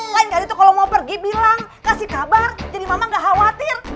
lain kali itu kalau mau pergi bilang kasih kabar jadi mama gak khawatir